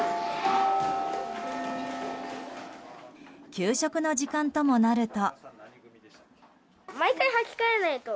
給食の時間ともなると。